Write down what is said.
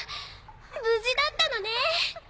無事だったのね！